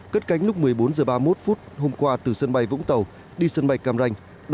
cất cánh lúc một mươi bốn h ba mươi một hôm qua từ sân bay vũng tàu đi sân bay cam ranh